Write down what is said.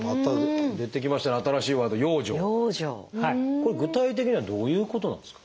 これ具体的にはどういうことなんですか？